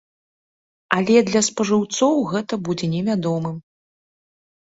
Але для спажыўцоў гэта будзе невядомым.